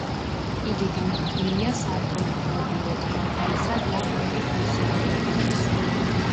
იგი განკუთვნილია საავტომობილო, ტრამვაისა და ფეხით მოსიარულეებისათვის.